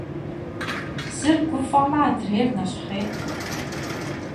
Зыр гуфӀэмэ - адрейр нэщхъейт.